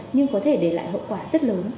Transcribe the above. nhưng có thể để lại hậu quả rất lớn